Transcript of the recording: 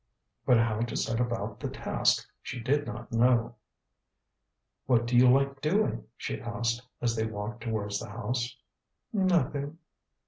But how to set about the task she did not know. "What do you like doing?" she asked, as they walked towards the house. "Nothing."